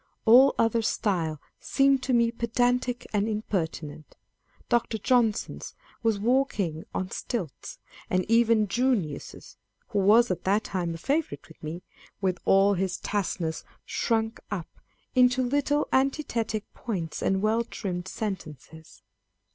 All other style seemed to me pedantic and impertinent. Dr. Johnson's was walking on stilts ; and even Junius's (who was at that time a favourite with me), with all his terseness, shrunk up into little antithetic points and well trimmed sentences.